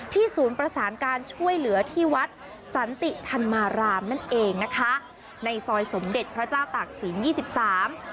ศูนย์ประสานการช่วยเหลือที่วัดสันติธรรมารามนั่นเองนะคะในซอยสมเด็จพระเจ้าตากศิลปยี่สิบสาม